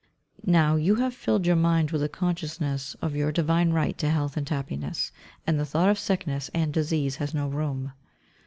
Now you have filled your mind with a consciousness of your divine right to health and happiness, and the thought of sickness and disease has no room.